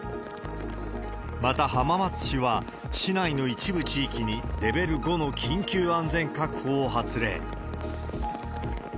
また、浜松市は市内の一部地域にレベル５の緊急安全確保を発令。